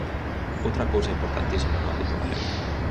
Outra cousa importantísima no ámbito galego.